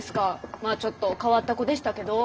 まあちょっと変わった子でしたけどォ。